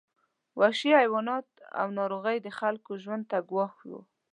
وحشي حیوانات او ناروغۍ د خلکو ژوند ته ګواښ وو.